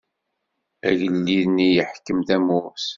Agellid-nni yeḥkem tamurt.